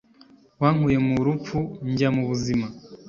Wankuye mu rupfu njya mu buzima